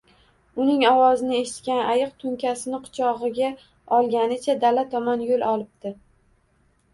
Uning ovozini eshitgan ayiq to’nkasini quchog’iga olganicha dala tomon yo’l olibdi